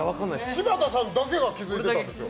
柴田さんだけが気付いてたんですよ。